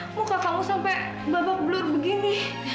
muka kamu sampai babak belur begini